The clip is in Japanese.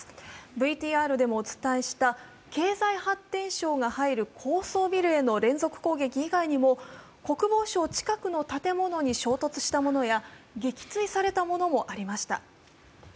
ＶＴＲでもお伝えした経済発展省が入る高層ビルの連続攻撃以外にも国防省近くの建物に衝突したものや撃墜されたものもありました。